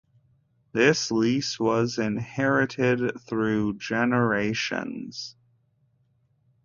This lease was inherited through generations.